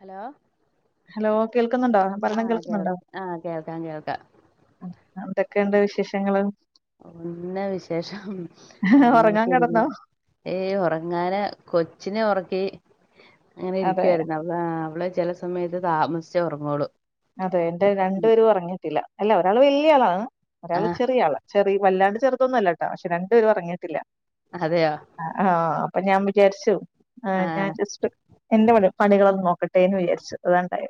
Hello hello കേൾ കേൾക്കുന്നുണ്ടോ ഞാൻ പറയണ ആഹ് കേൾ കേൾക്കുന്നുണ്ടോ ആഹ് കേൾക്കാം കേൾക്കാം എന്തൊക്കെയുണ്ട് വിശേഷങ്ങള് ഒന്ന് വിശേഷം ഉറങ്ങാൻ അങ്ങനെയൊക്കെ കിടന്നോ ഇരിക്കുന്നു ഏയ് ഉറങ്ങാന് കൊച്ചിനെ ഉറക്കി അങ്ങനെ അതെ ഇരിക്കുവായിരുന്നു അ അവള് ചെല സമയത്ത് താമസിച്ചേ ഉറങ്ങോളു തെ എന്റെ രണ്ടു പേര് ഉറങ്ങിട്ടില്ല അല്ല ഒരാള് വല്യ ആളാണ് ഒരാള് ആഹ് ചെറിയ ആള് ചെറി വല്ലാണ്ട് ചെറുതൊന്നല്ലട്ട പക്ഷെ രണ്ടു പേരും ഉറങ്ങീട്ടില്ല അതെയോ ആ ആ അപ്പൊ ഞാൻ വിചാരിച്ചു ആ ഞാൻ ആഹ് ജസ്റ്റ് എന്റെ പണി പണികളൊന്ന് നോക്കട്ടെ ട്ടേന്നു വിചാരിച്ചു അതാണ്ടായേ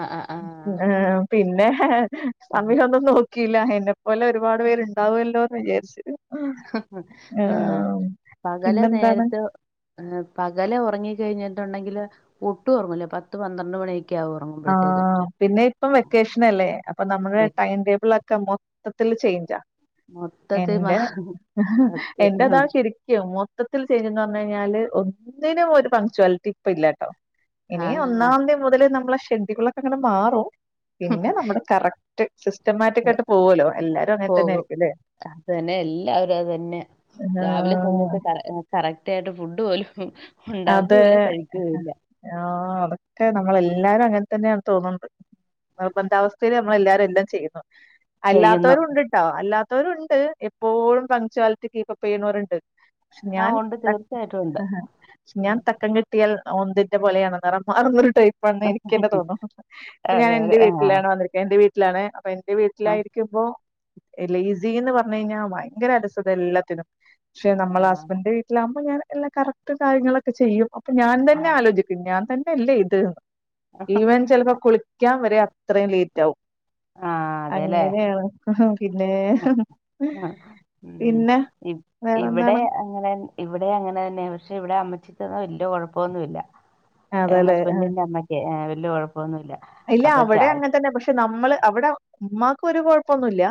ആഹ് ആഹ് ആ ആഹ് പിന്നെ [unintelligible] സമയൊന്നും നോ ക്കില്ല എന്നെപ്പോലെ ഒരുപാട് പേരുണ്ടാവുമല്ലോന്ന് വിചാരിച്ചു ഹ ഹ ആ പകല് പിന്നെന്താണ് നേരത്ത് പകല് ഉറങ്ങി കഴിഞ്ഞിട്ടുണ്ടെങ്കില് ഒട്ടും ഉറങ്ങൂല്ല പത്ത്പന്ത്രണ്ട് മണി ആ പിന്നെ ഇപ്പം വെക്കേഷൻ അല്ലേ അപ്പൊ നമ്മുടെ വെ ടൈം ടേബിൾ ഒക്കെ മൊ ത്തത്തില് ചെയിഞ്ചാ മൊത്തത്തിൽ മാ എന്റെ സത്യം എന്റെതാ ശരിക്കും മൊത്തത്തിൽ ചെയ്ഞ്ച് എന്ന് പറഞ്ഞു കഴിഞ്ഞാല് ഒന്ന് എന്തിനും ഒരു പംഗ്ച്വാലിറ്റി ഇപ്പ ഇല്ലാട്ടോ ഇനി ആഹ് ഒന്നാം തീയതി മുതല് നമ്മള് ണ്ടികളൊക്കെ ങ്ങനെ മാറും പിന്നെ നമ്മുടെ കറക് [unintelligible] പോകും. ആയിരിക്കുംല്ലേ? അത് തന്നെ എല്ലാവരും അതനെ, രാവിലെ ആഹ് സമയത്ത് കറക്റ്റ് ആയിട്ട് ഫുഡ് പോലും, ആ അതെ, ആ അതൊക്കെ നമ്മള എല്ലാരും അങ്ങനെ തന്നെയാണെന്ന് തോന്നുണ്ട്. നിർബന്ധാവസ്ഥയിൽ നമ്മൾ എല്ലാവരും എല്ലാം ചെയ്യുന്ന ചെയ്യുന്നു അല്ലാത്തവരു ഉണ്ട്ട്ടോ, അല്ലാ തോരുണ്ട്. എപ്പോഴും പങ്ക്ച്വാലിറ്റി കീപ്പപ്പ് ചെയ്യ്നോരുണ്ട് ങാ ഒണ്ട്, തീർച്ചയായിട്ടും ഒണ്ട്. ഞാൻ തക്കം കിട്ടി ഓന്തിൻറ പോലെയാണ് നിറം മാറുന്നത് ഇപ്പന്ന് എനിക്കന്നെ തോന്നുന്നു. ഇപ്പ ഞാൻ അതെ അതെ എന്റെ ആ വീട്ടിലാണ് വന്നിരിക്ക എന്റെ വീ [unintelligible] അപ്പൊ എന്റെ ആ വീട്ടിലായിരിക്കുമ്പോ, ഇല്ല ഈസി എന്ന് പറഞ്ഞു കഴിഞ്ഞാ ഭയങ്കര അലസത എല്ലാത്തിനും പക്ഷെ ആ നമ്മള ഹസ്ബന്റിന്റെ വീട്ടിലാവ അപ്പൊ ഞാൻ എല്ലാ കറക്റ്റും കാര്യങ്ങളൊക്കെ ചെയ്യും. ഞാൻ തന്നെ ആലോചിക്കും, ഞാൻ ത ഇല്ല ഇത് ഇവൻ ചിലപ്പോ കുളിക്കാൻ വര അത്രയും ലേറ്റ് ആകും ആ അതെല്ലേ അങ്ങനെയാണ് പിന്നെ, ആ, ആ. ഉം. പിന്നെ ഇ- ഇവിടെ വേറെന്താണ് അങ്ങനെ ഇവിടെ അങ്ങനെ ന്നെ, പക്ഷെ ഇവിടെ അമ്മച്ചിക്കൊന്നും വല്യ കുഴപ്പന്നുല്ല. ഹസ്ബെൻറിന്റമ്മക്ക് [unintelligible] അല്ല അവിടെ അങ്ങെ തന്നെ പക്ഷെ, നമ്മള് അവിടെ ഉമ്മാക്ക് ഒരു കുഴപ്പൊന്നുല്ല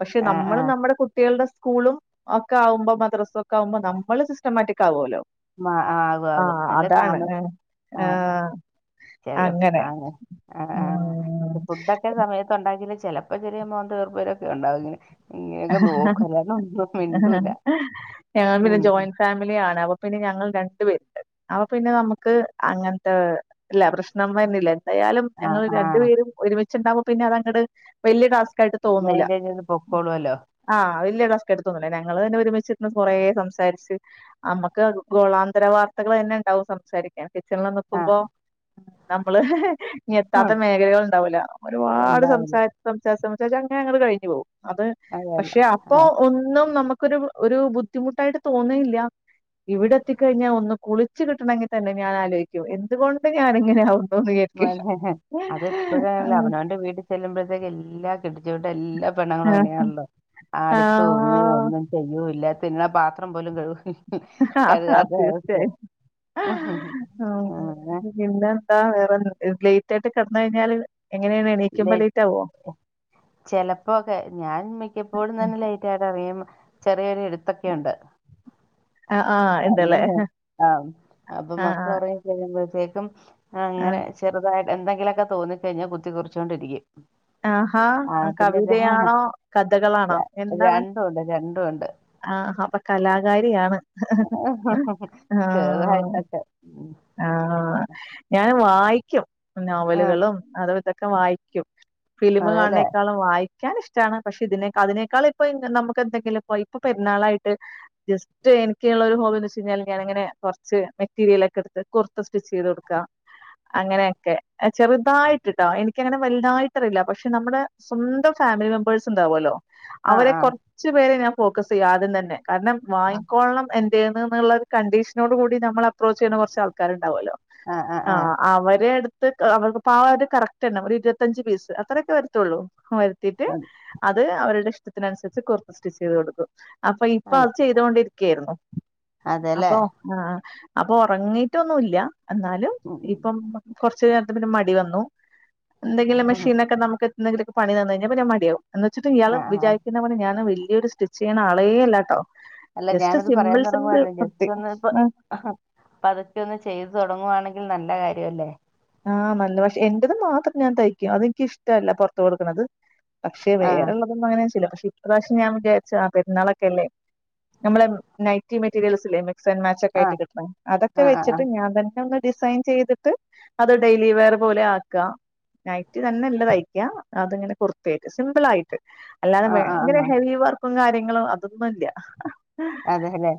പക്ഷെ ആ ആ നമ്മള് നമ്മുടെ കുട്ടികൾടെ സ്കൂളും ഒക്കെ ആകുമ്പോ മദ്രസ ക്കെ ആവുമ്പോൾ നമ്മള് സിസ്റ്റമാറ്റിക് ആവുല്ലോ മാഹ് ആകും ആകും. അല്ല താമസി ഏഹ്. ആഹ് ചെല അങ്ങനെ. ആ ആഹ് ഉം. ആഹ് ഫുഡൊക്കെ സമയത്ത് ഉണ്ടാക്കിലെ ചെലപ്പോ ചെറിയ മോന്ത വീർപ്പ ലൊക്കെണ്ടാവുലെ മിണ്ടൂല ഞങ്ങ പിന്നെ ഉം ജോയിന്റ് ഫാമിലിയാണ് അപ്പൊ പിന്നെ ഞങ്ങൾ രണ്ടു പേരുണ്ട് അപ്പ പിന്നെ നമുക്ക് അങ്ങനത്തെ ല്ല പ്രശ്നം വര്ന്നില്ല ന്തായാലും ഞങ്ങൾ ആഹ് ആഹ് രണ്ടുപേരും ഒരുമി [unintelligible] പിന്നെ അതങ്ങട് വല്ല്യ ടാസ് മെയിന്റൈൻ ചെയ്ത്പൊക്കോ [unintelligible] [unintelligible] എടുത്തൊന്നൂല്ല ഞങ്ങളന്നെ ഒരുമിച്ചിരുന്ന് കൊറേ സംസാരിച്ച് അമ്മക്ക് ഗോളാന്തര വാർത്തകളെന്നെ ണ്ടാവും സംസാരിക്കാൻ കിച്ചൺല് ആഹ് നിക്കുമ്പോ നമ്മള് ഇനി ഉം എത്താത്ത മേഖലകള് ണ്ടാവൂല ഒരുപാട് ഉണ്ടാവില്ല സംസാരിച്ച് സംസാരിച്ച് സമ [unintelligible] കഴിഞ്ഞ്പോവും അത് അതല്ല പക്ഷെ അപ്പൊ ആഹ് ഒന്നും നമു ഒരു ഒരു ബുദ്ധിമുട്ടായിട്ട് തോന്നിയില്ല ഇവിടെ എത്തിക്കഴിഞ്ഞാ ഒന്ന് കുളിച്ച് കിട്ടണെങ്കി തന്നെ ഞാൻ ആലോചിക്കും എന്തുകൊണ്ട് ഞാനിങ്ങനെ ആവു അതെപ്പഴാണെലും അവനവന്റെ വീട്ടിൽ ചെല്ലുമ്പോഴത്തേക്കെല്ലാ ല്ല കെട്ടിച്ചുവിട്ട എല്ലാ പെണ്ണ്ങ്ങളും ആഹ് അങ്ങനെയാണല്ലോ ആഹ് ആടിതൂങ്ങി ഒന്നും ചെയ്യൂല്ലാ തിന്ന പാത്രം പോലും കഴുകു തീർച്ചയായും ആഹ് പിന്നെന്താ വേറെ ലേറ്റ് ആയിട്ട് കെടന്ന് കഴിഞ്ഞാല് എങ്ങനെയാണ് എണീക്കുമ്പോ ആവോ ലേറ്റ് ചെലപ്പോക്കെ ഞാൻ മിക്കപ്പോഴും ഉം. തന്നെ ലേറ്റ് ആയിട്ടറിയും [unintelligible] എഴുത്തൊക്കെയുണ്ട് ആ ആ ഉണ്ടല്ലേ അങ്ങനെ ആഹ് അപ്പൊ ആ ആ മക്കളൊറങ്ങി കഴിയുമ്പോ വേഗം ആ. അങ്ങനെ ചെറുതായി എന്തെങ്കിലൊക്കെ തോന്നിക്കഴിഞ്ഞാ കുത്തികുറി ച്ചോണ്ടിരിക്കും ആഹാ കവിതയാണോ കഥകളാണോ ര- എന്താണ് രണ്ടും ഉണ്ട് രണ്ടും ഉണ്ട് ആഹ് അപ്പൊ കലാകാരിയാണ് ചെറ്തായിട്ടൊക്കെ ആഹ് ഞാൻ വായി ഇക്കും ആഹ് നോവലുകളും അതും ഇതും ഒക്കെ വായിക്കും ഫിലിമ് അതെല്ലേ കാണ്നേക്കാളും വായി തയ്ക്കാൻ ഇഷ്ടാണ് പക്ഷെ ഇതിനെ അതിനേക്കാള് ഇപ്പൊ നമുക്ക് എന്തെങ്കിലും പോയി ഇപ്പൊ പെരുന്നാളായിട്ട് ജസ്റ്റ് എനിക്കുള്ള ഒരു ഹോബി എന്ന് വെച്ച് കഴിഞ്ഞാല് ഞാനിങ്ങനെ കുറച്ച് മെറ്റീരിയലൊക്കെ എടു കുർത്ത സ്റ്റിച്ച് ചെയ്ത് കൊടുക്കാ അങ്ങനെയൊക്കെ ചെറുതായിട്ടിട്ടാ എനിക്കങ്ങനെ വലുതായിട്ട് അറിയില്ല പക്ഷെ നമ്മുടെ സ്വന്തം ഫാമിലി മെമ്പേഴ്സ് ഉണ്ടാവുവല്ലോ ആഹ് അവരെ ആഹ് കൊറച്ച് പേരെ ഞൻ ഫോക്കസ് ചെയ്യും ആദൃം തന്നെ കാരണം വാങ്ങിക്കൊള്ളണം എൻ ചേർന്നുനുള്ളൊരു കണ്ടീഷനോട് കൂടി നമ്മൾ അപ്രൊച്ച് ചെയ്യുന്ന കുറച്ച് ആൾക് കാര് അതേലോ ആഹ് ആഹ് ആ ആഹ് അവരെടു അവർക്ക് പാവം അത് കറക്റ്റ് തന്നെ ഒരു ഇരുപത്തിയഞ്ച് പീസ് അത്രയൊക്കെ വരുത്തുള്ളൂ ഓ വരുത്തിട്ട് അത് അവരുടെ ഇഷ്ട അതിനനുസരിച്ച് കുർത്ത സ്റ്റിച്ച് ചെയ്ത് കൊടുക്കും അപ്പൊ ഇപ്പൊ അതെ അത് ചെയ്തോണ്ടിരിക്കയായിരുന്നു അതെല്ലേ അപ്പൊ ആ ആ അപ്പൊ ഉറങ്ങി ടോന്നൂല്ല എന്നാലും ഉം ഉം ഇപ്പം കൊറച്ച് പിന്നെ മടി വന്നു എന്തെങ്കിലും മെഷീനൊക്കെ നമുക്ക് എന്തെങ്കിലുവൊക്കെ പണി വന്ന് കഴിഞ്ഞ പിന്നെ മടിയാവും എന്ന് വെച്ചിട്ട് ഇയാള് ആഹ് ആഹ് വിചാരിക്കുന്ന പോലെ ഞാന് വെല്യ ഈ ഒരു സ്റ്റിച്ച്ന് അളവെ ഇല്ലാട്ടോ അല്ല ഞാനത് പറയാൻ തുടങ്ങുവാരുന്നു കുർത്തി ജസ്റ്റ് ഒന്ന് ഇപ്പ ആ പതുക്കെ ഒന്ന് ചെയ്തു തുടങ്ങുവാണെങ്കിൽ നല്ല കാര്യല്ലേ ആ നല്ല പക്ഷെ എന്റത് മാത്രം ഞാൻ തയ്ക്കും അതെനിക്കിഷ്ടവല്ല പുറത്ത് കൊടുക്കണത് പക്ഷേ ആഹ് വേറൊള്ളതൊന്നും അങ്ങനെ ഞാൻ ചില ഇപ്രാവശ്യം ഞാൻ വിചാരിച്ച് ആ പെരുന്നാളൊക്കെ അല്ലേ ഞമ്മടെ നൈറ്റി മെറ്റീരിയൽസില്ലേ സെൻമാച്ച് ഒക്കെ ആഹ് ആയിട്ട് കിട്ട്നെ അതൊക്കെ ആ ആ വെച്ചിട്ട് ഞാൻ തന്നെ ഒന്ന് ഡിസൈൻ ചെയ്തിട്ട് അത് ഡെയിലി വെയർ പോലെ ആക്കുക നൈറ്റി തന്നല്ല തയ്ക്ക അതിങ്ങനെ കുർത്തയായിട്ട് സിമ്പിൾ ആയിട്ട് അല്ലാതെ ആ വേ ആ ഭയങ്കര ആ ആ ഹെവി വർക്ക് കാര്യങ്ങളും അതൊന്നു ഇല്ല അതെ അല്ലേ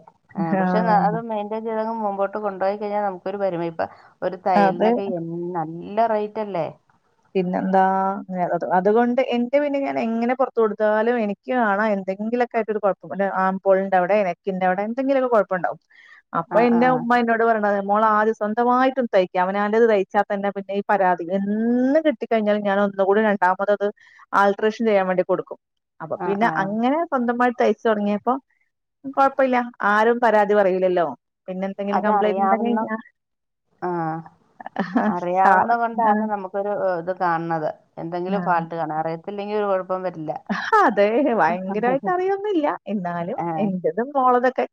ആ പക്ഷെ അത് മെയിന്റയിൻ ചെയ്തങ്ങ് മുമ്പോട്ട് അത് കൊണ്ടു പോയി കഴിഞ്ഞാ നമുക്കൊരു വരുവേപ്പ ഒരു അത് തയ്യലിന് ഒക്കെ എന്ന് നല്ലിപ നല്ല റേറ്റ്അല്ലേ പിന്നെന്താ നേളതു അതുകൊണ്ട് എന്റെ പിന്നെ ഞാൻ എങ്ങനെ പുറത്ത് കൊടുത്താലും എനിക്ക് കാണാം എന്തങ്കിലൊക്ക ആട്ട് കുഴപ്പ [unintelligible] ആമ്പോളിന്റെ അവിടെ നെക്കിന്റെ അവിടെ എന്തെങ്കിലൊക്കെ കുഴപ്പ ഉണ്ടാവും അപ്പൊ ആ ആ എന്റെ ഉമ്മ എന്നോട് പറണതാ മോള് ആദ്യം സ്വന്തമായിട്ടൊന്ന് തയ്ക്ക അവനാന്റത് തയ്ച്ചാൽ തന്നെ പിന്നെ ഈ പരാതി എന്നും കിട്ടിക്കഴിഞ്ഞാൽ ഞാൻ ഒന്നുകൂടി രണ്ടാമത് അത് ആൾട്ട്രേഷൻ ചെയ്യാൻ വേണ്ടി കൊടുക്കും അപ്പൊ ആ പിന്നെ ആ ആ. അങ്ങനെ സ്വന്തമായി് തയ്ച്ചു തുടങ്ങിയപ്പോ കുഴപ്പമില്ല ആരും പരാതി പറയിലല്ലോ അതറിയാവുന്ന ആ ആ അറിയാവുന്ന കൊണ്ടാണ് നമുക്കൊരു ഇത് കാണത് എന്തെങ്കിലും ആ, ഫാൾട്ട് കാണുഅറിയത്തി [unintelligible] [unintelligible] അതെ ഭയങ്കരമായിട്ട് അറിയന്നില്ല എന്നാലും ആ എന്റതും മോളതൊക്കെ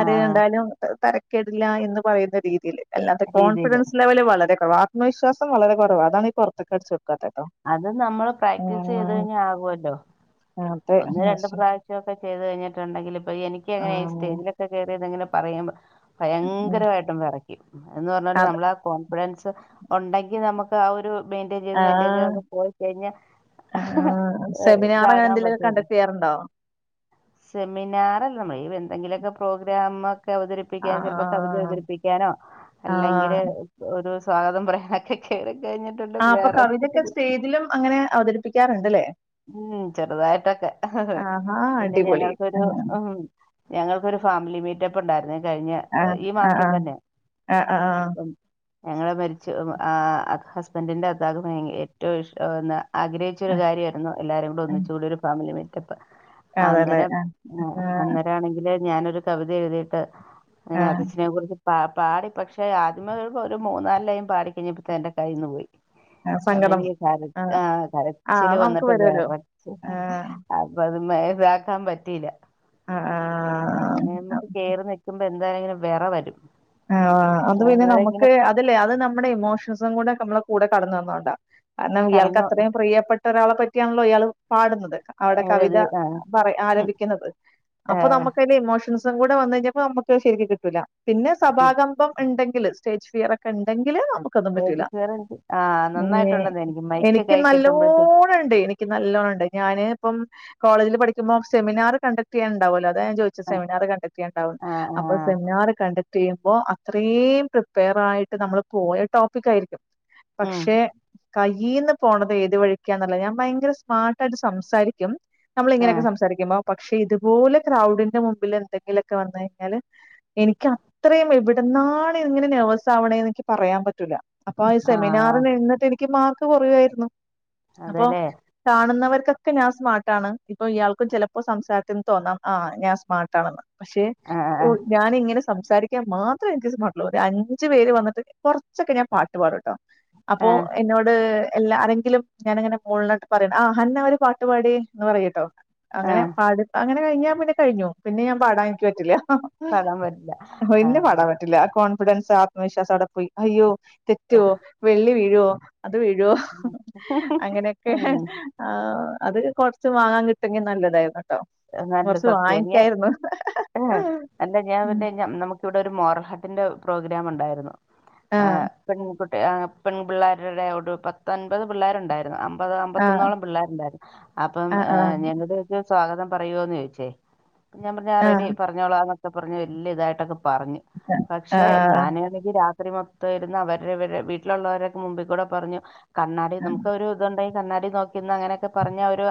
ആ കണ്ടാലും തര [unintelligible] കേടില്ല എന്ന് പറയുന്ന രീതിയിൽ അല്ലാത്ത രീതിയിൽ കോൺഫിഡൻസ് ലെവല് വളരെ ആത്മവിശ്വാസം വളരെ കുറവ അതാണ് ഇ പുത്തുക്കടിച്ചുകൊടുക്കാത്ത അത് നമ്മള് പ്രാക്ടീസ് ചെയ്ത് കഴിഞ്ഞാൽ ആകുവല്ലോ ല്ലോ അതെ ഒന്ന് രണ്ട് മോശം. പ്രാവശ്യം ഒക്കെ ചെയ്തു കഴിഞ്ഞിട്ടുണ്ടെങ്കിൽ ഇപ്പൊ എനിക്ക് എങ്ങനെ ഈ ആഹ് സ്റ്റേജിലൊക്കെ കയറിത്ങ്ങനെ പറയുമ്പോ ഉം ഭയങ്കരമായിട്ടും വിറക്ക എന്ന് പറഞ്ഞാല് അതെ നമ്മള ആകോണ് ഫിഡൻസ്ഉണ്ടെങ്കി നമുക്ക് ആ ഒരു മെയിന്റയിൻ ചെയ്ത് മെയിന്റയിൻ ആഹ് ചെയ്തൊക്കെ പോയി കഴിഞ്ഞാൽ ആഹ് സെമിനാർ അങ്ങനെ താങ്ങാൻ എന്തെലൊക്കെ പറ്റും കണ്ടക്ട് ചെയ്യാറുണ്ടോ? സെമിനാറല്ലമ്മ എന്തെങ്കിലുമൊക്കെ പ്രോഗ്രാം അവതരിപ്പിക്കാനോ ചിലപ്പോ കവിത ആഹ് അവതരിപ്പിക്കാനോ അല്ലെങ്കില് ആഹ് ഒരു സ്വാഗതം പറയാനൊക്കെ കേറി ആ അപ്പൊ കവിതൊക്കെ സ്റ്റേജിലും അങ്ങനെ അവതരിപ്പിക്കാർണ്ട്ലെ ഇതൊക്കെ പിന്നെ ഞങ്ങൾക്കൊരു ആഹ് ഊമ് ഞങ്ങൾക്കൊരു ഫാമിലി മീറ്റപ്പ് ഉണ്ടായിരുന്നെ കഴിഞ്ഞ ആഹ് ഈ മാസം ആഹ് തന്നെ ആഹ് ആഹ് അപ്പം ഞങ്ങളെ മരിച്ചു ആ ആ ഹസ്ബൻഡിന്റെ അത്താക്ക്‌ ഭയങ്കര ഏറ്റവും ഇഷടാവുന്ന ആഗ്രഹിച്ചൊരു കാര്യമായിരുന്നു എല്ലാരും കൂടെ ആഹ് ഒന്നിച്ച് ഉള്ളൊരു വല്ലിയ മീറ്റപ്പ് അതെല്ലേ അന്നേരം ഏ ആഹ് അന്നേരം ആണെങ്കില് ഞാനൊരു കവിത എഴുതിയിട്ട് അങ്ങനെ ആഹ് അത് ച്ഛനെ കുറിച്ച് പ പാടി പക്ഷെ ആദ്യമേ ഒരു മൂന്നാല് ലൈൻ പാടി കഴിഞ്ഞപ്പത്തേ എന്റെ കയ്യിന്ന് പോയി ആഹ് അപ്പ സങ്കടം എനിക്ക് കര ആഹ് ആ ആഹ് കരച്ചില് നമുക്ക് വന്നിട്ട് വരുവല്ലോ വെറച്ച് ആഹ് അപ്പ അത് മെയ്‌വനാക്കാൻ പറ്റില ആഹ് അങ്ങനെ നമ്മക്ക് കേറി നിൽക്കുമ്പോ എ എന്തായാലും വെറ വരും ആ ഒ അ അത് പിന്നെ അന്നേരം ഇങ്ങനെ നമ്മ്ക്ക് അതില്ലെ അത് നമ്മുടെ ഇമോഷൻസും കൂടെ നമ്മള് കൂടെ കടന്ന് വന്നോണ്ട കാരണം ഇയാൾക്ക് കടന്നു അത്രയും പ്രിയപ്പെട്ട ഒരാളെ പറ്റിയാണല്ലോ ഇയാൾ പാടുന്നത് അവിടെ ഏത് കവിത ആ പറ ഉം ആലപിക്കുന്നത് ആ അപ്പൊ നമ്മക്ക് അയില് ഇമോഷൻസ് സം കൂടെ വന്ന് കഴിഞ്ഞപ്പോ നമ്മക്ക് ശരിക്ക്‌ കിട്ടൂലാ പിന്നെ കിട്ടി. സഭാകമ്പം ഉണ്ടെങ്കി ങ്കിൽ സ്റ്റേജ് ഫിയർ ഒക്കെ ഇണ്ടെങ്കില് നമ്മ്ക്ക്‌ ഒന്നും പറ്റൂലാ വേറെ എന്ത്? ആ നന്നായിട്ടുണ്ടെന്ന് [unintelligible] മൈക്ക് എനിക്ക് കൈ കിട്ടുമ്പോഴത്തേക്ക് നല്ലോണം ഉണ്ട് എനിക്ക് നല്ലോണണ്ട് ഞാന് ഇപ്പം കോളേജില് പഠിക്കുമ്പോ സെമിനാർ കണ്ടക്ട് ചെയ്യാൻ ഇണ്ടാവുല്ലോ അതാ ഞാൻ ചോദിച്ച ആ സെമിനാർ കണ്ടക്ട് ചെയ്യാൻ ഇണ്ടാവും ആ അപ്പൊ ആ സെമിനാർ കണ്ട റ്റ് ചെയ്യുമ്പോ അത്രേയും പ്രിപ്പയർ ആയിട്ട് നമ്മള് പോയ ടോപ്പികായിരിക്കും ഉം പക്ഷെ കയ്യീന്ന് പോണത് ഏത് വഴിക്കാന്ന് അറിയില്ല ഞാൻ ഭയങ്കര സ്മാർട്ടായിട്ട് സംസാരിക്കും നമ്മള് ആ ഇങ്ങനെയൊക്കെ സംസാരിക്കിമ്പം പക്ഷെ ഇതുപോലെ ക്രൗഡിന്റെ മുമ്പില് എന്തെങ്കിലൊക്കെ വന്ന് കഴിഞ്ഞാല് എനിക്ക്‌ ഇത്രയും എവ്ട്ന്നാണ് ഇങ്ങനെ നെർവസ് ആവ്ണേന്ന് ഇക്ക് പറയാൻ പറ്റൂലാ അപ്പൊ ഈ ആ സെമിനാറിൽ നിന്നിട്ട് എനി ഇക്ക് മാർക്ക് കുറയുവായിരുന്നു അപ്പൊ അതെല്ലേ കാണുന്നവർക്കൊക്കെ ഞാ സ്മാർട്ടാണ് ഇപ്പൊ ഇയാൾക്കും ചിലപ്പോ സംസാരത്തിന്ന് തോന്നാം ആ ഞാൻ സ്മാർട്ടാണെന്ന് പക്ഷെ ആ ആ ഓ ഞാനിങ്ങനെ സംസാരി ക്കാൻ മാത്രേ എനിക്ക് സ്മാർട്ടുള്ളൂ ഒരു അഞ്ചു പേര് വന്നിട്ട് കുറച്ചൊക്കെ ഞാൻ പാട്ടുപാടും അപ്പോ ആ എന്നോട് എല്ലാ ആരെങ്കിലും ഞാനങ്ങനെ മോൾനട്ട് പറയ ആ ഹന്ന ഒരു പാട്ടുപാടിയേ എന്ന് പറയൂട്ടോ ആ അങ്ങനെ പാടു അങ്ങനെ കയിഞ്ഞാ പിന്നെ കഴിഞ്ഞു പിന്നെ ഞാൻ പാടാനനിക്ക് പറ്റില്ല പാടമ്പറ്റില്ല പിന്നെ പാടാൻ പറ്റില്ല കോൺഫിഡൻസ് ആത്മവിശ്വാസം അവിടെ പോയി അയ്യോ തെറ്റുവോ വെള്ളി വീഴുവോ അത് വീഴോ അങ്ങനെയൊക്കെ ഉം ആഹ് അത് കുറച്ച് വാങ്ങാൻ കിട്ടെങ്കിൽ നല്ലതായിരുന്നു കേട്ടോ നല്ല കൊറച്ച് സത്യ ഇ വാങ്ങിക്കായിരുന്നു നല്ല ഞാൻ പിന്നെ നമുക്ക് ഇവിടെ ഒരു മോറഹട്ടിൻ്റെ പ്രോഗ്രാം ഉണ്ടായിരുന്നു ആഹ് പെൺകുട്ടി പെൺ പിള്ളേരുടെ ഒരു പത്തൻപത് പിള്ളേരുണ്ടായിരുന്നു അമ്പത് ആഹ് അമ്പത്തൊന്നോളം പിള്ളേരുണ്ടായിരുന്നു അപ്പം ആഹ് ആഹ് ഞങ്ങളൊരു സ്വാഗതം പറയുവോന്ന് ചോദിച്ചേ ഞാൻ പറഞ്ഞ റെഡി ആഹ് പറഞ്ഞോളാ ഒക്കെ പറഞ്ഞഞ് വലിയ ഇതായിട്ടൊക്കെ പറഞ്ഞു പക്ഷെ ആഹ് ഞാനാണെങ്കിൽ ഒരി മൊത്തം ഇരുന്ന് അവരുടെ വീട്ടിലുള്ളവരൊക്കെ മുമ്പിൽ കൂടെ പറഞ്ഞു കണ്ണാടി ആഹ് നമുക്ക് ഒരു ഇതുണ്ട കണ്ണാടി നോക്കി ന്ന് അങ്ങനെയൊക്കെ പറഞ്ഞ ഒരു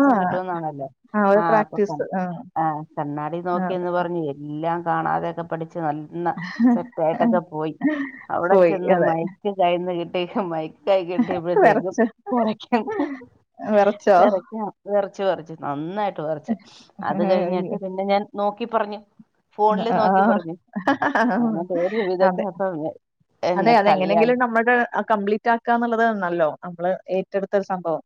ആ കിട്ടുംന്നാണല്ലോ ആ ഒരു ആഹ് അപ്പൊ ക പ്രാക്ടീസ് ആഹ് ആ കണ്ണാടി നോക്കിയന്ന് പറഞ്ഞു എല്ലാം കാണാതെയൊക്കെ പഠിച്ച് നല്ല സെറ്റ് ആഹ് ആയിട്ടൊക്കെ പോയി അവിടെ പോയി ചെന്ന് അതെ മയ്ക്ക് കയിൽ ദേഹമായി കൈ കിട്ടിയ്പഴത്തേക്കും വെറച്ച് വെറച്ചോ വിറക്കാ ച്ച് പറഞ്ഞു നന്നായിട്ട് റച്ചു അത് കഴിഞ്ഞിട്ട് ആഹ് പിന്നെ ഞാൻ നോക്കി പറഞ്ഞു ഫോണില് നോക്കി പറഞ്ഞു അങ്ങനത്തെ ഒരു ഒരു അതെ വിധത്തിൽ അപ്പം അ അതെ അതെങ്ങനെങ്കിലും നമ്മുടെ അ കംപ്ലീറ്റ് ആക്കാ എന്നുള്ളതേര്ല്ലോ നമ്മള് റ്റടുത്തരു സംഭവം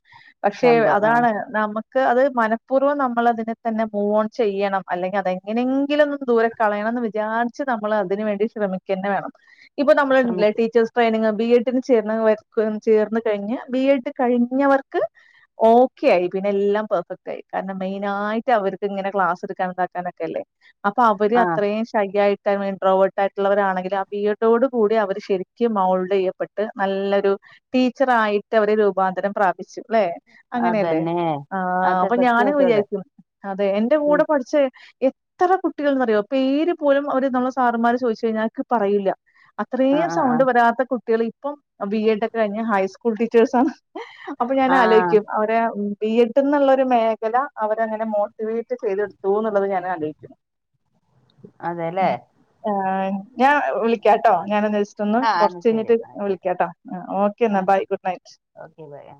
പക്ഷെ സംഭവം ആ അതാണ് നമ്മ ക്ക് അത് മനഃപൂർവ്വം നമ്മൾ അതിനെ തന്നെ മൂവോൺ ചെയ്യണം അല്ലെങ്കിൽ അതെങ്ങനെങ്കിലും ഒന്ന് ദൂരെ കളയണം എന്ന് വിചാരിച്ച് നമ്മൾ അതിന് വേണ്ടി ശ്രമിക്കന്നെ വേണം ഇപ്പ നമ്മളണ്ട്ലേ ശ്രമിക്ക ടീച്ചേഴസ് ട്രെയിനിങ് ബിഎഡിന് ചേർന്ന് ചേർന്ന് കഴിഞ്ഞ് ബിഎഡ് കഴിഞ്ഞവർക്ക് ഓക്കെ ആയി പിന്നെ എല്ലാം പെർഫെക്റ്റ് ആയി കാരണം മെയിനായിട്ട് അവർക്ക് ഇങ്ങനെ ക്ലാസ് എടുക്കാൻ താക്കാനൊക്കെല്ലേ അപ്പൊ അവര് ആ അത്രയും ശൈയായി ഇന്റ്‌റോവർട്ടായിട്ടുള്ളവരാണെങ്കിൽ ആ ഈ ഒ തോട് കൂടി അവർ ശരിക്കും മോൾഡ് ചെയ്യപ്പെട്ട് നല്ലൊരു ടീച്ചറായിട്ട് അവര് രൂപാന്തരം പ്രാപിച്ച് ല്ലെ അങ്ങനെയല്ലേ അതന്നെ ആ അതെ അപ്പൊ ഞാനും സത്യമായിട്ടും അതെ വിചാരിക്കും അതെ എന്റെ ഉം, കൂടെ പഠിച്ച എത്ര കുട്ടികൾ ന്നറിയോ പേര് പോലും അവര്ന്നുള്ള സാറുമാർ ചോദിച്ചു കഴിഞ്ഞാക്ക് പറയില്ല ആ അത്രയും ആ ആ സൗണ്ട് വരാത്ത കുട്ടികളി ഇപ്പം ബിഎഡൊക്കെ കഴിഞ്ഞ ഹൈസ്കൂൾ ടീച്ചേഴ്സാന്ന് അപ്പൊ ഞാൻ ആ ആലോചിക്കും അവരെ ബിഎഡ് ന്ന്ള്ളാരു മേഖല അവരങ്ങനെ മോട്ടിവേറ്റ് ചെയ്തെടുത്തുന്നുള്ളത് ഞാൻ ആലോയ്ക്ക്ണ് അതേല്ലേ ഞാ വി കേട്ടോ ഞാൻ ഒന്ന് വെച്ചിട്ടൊന്ന് ആ എന്നാ കൊറച്ച് ശരി കഴിഞ്ഞിട്ട് എന്നാ ആയിക്കോട്ടെ വിളിക്കാട്ടോ ഓക്കേ ആ എന്നാ bye good night okay bye ആ